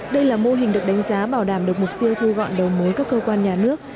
đây là mô hình được đánh giá bảo đảm được mục tiêu thu gọn đầu mối các cơ quan nhà nước